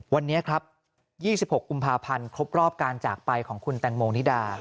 วันนี้ครับ๒๖กุมภาพันธ์ครบรอบการจากไปของคุณแตงโมนิดา